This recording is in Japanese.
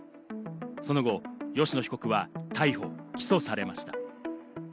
その後、吉野被告は逮捕・起訴されました。